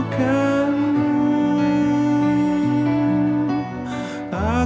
kita saling memdenskan hadirmu